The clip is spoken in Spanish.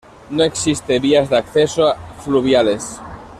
No existe vías de acceso fluviales.